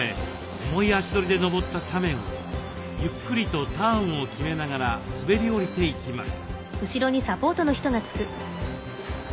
重い足取りで登った斜面をゆっくりとターンを決めながら滑り降りていきます。